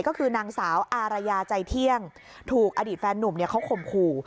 ก็คือนางสาวอารยาใจเที่ยงถูกอดีตแฟนนุ่มเขาข่มขู่